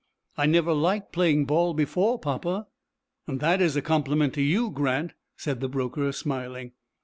"I never liked playing ball before, papa." "That is a compliment to you, Grant," said the broker, smiling.